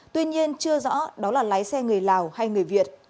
tuy nhiên chưa rõ đó là lái xe người lào hay người việt